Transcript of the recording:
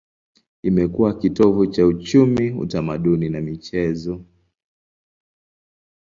Imekuwa kitovu cha uchumi, utamaduni na michezo.